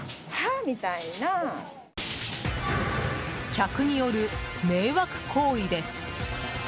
客による迷惑行為です。